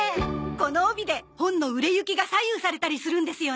この帯で本の売れ行きが左右されたりするんですよね。